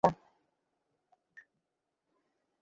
উনার কথা শুনলে, আর মারবে না।